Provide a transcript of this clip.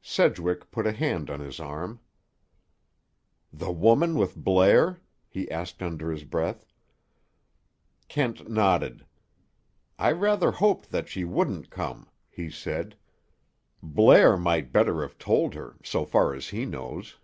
Sedgwick put a hand on his arm. "The woman with Blair?" he asked under his breath. Kent nodded. "I rather hoped that she wouldn't come," he said. "Blair might better have told her—so far as he knows."